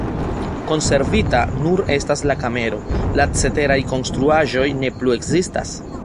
Konservita nur estas la kamero, la ceteraj konstruaĵoj ne plu ekzistas.